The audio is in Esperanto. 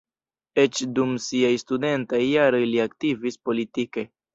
Eĉ dum siaj studentaj jaroj li aktivis politike.